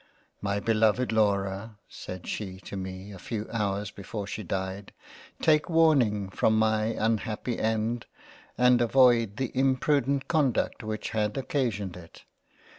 " My beloved Laura (said she to me a few Hours before she died) take warning from my unhappy End and avoid the imprudent conduct which had occasioned it.